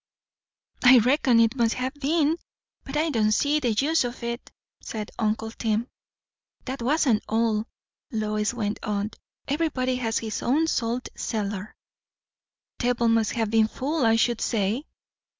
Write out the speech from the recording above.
"I reckon it must ha' been; but I don't see the use of it," said uncle Tim. "That wasn't all," Lois went on. "Everybody had his own salt cellar." "Table must ha' been full, I should say."